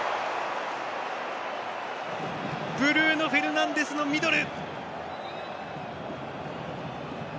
ブルーノ・フェルナンデスのミドル！